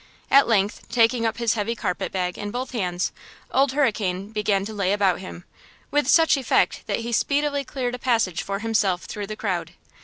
At length, taking up his heavy carpet bag in both hands, Old Hurricane began to lay about him, with such effect that he speedily cleared a passage for himself through the crowd.